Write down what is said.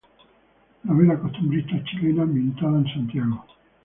Novela costumbrista chilena, ambientada en Santiago.